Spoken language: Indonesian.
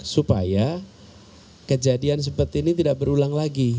supaya kejadian seperti ini tidak berlubang